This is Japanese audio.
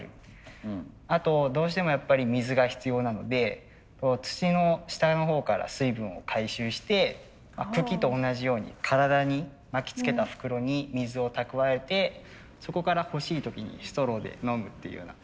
あとどうしてもやっぱり水が必要なので土の下のほうから水分を回収して茎と同じように体に巻きつけた袋に水を蓄えてそこから欲しい時にストローで飲むっていうような。